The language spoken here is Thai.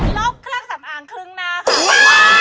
ลบเครื่องสำอางครึ่งหน้าค่ะ